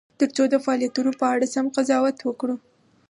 ترڅو د فعالیتونو په اړه سم قضاوت وکړو.